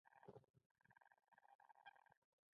سرویلیم مانسفیلډ نظریات را منځته شي.